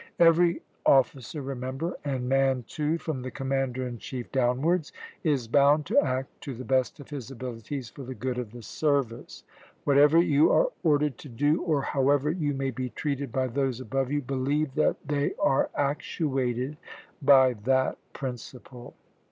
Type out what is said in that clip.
Every officer, remember, and man, too, from the commander in chief downwards, is bound to act to the best of his abilities for the good of the service. Whatever you are ordered to do, or however you may be treated by those above you, believe that they are actuated by that principle.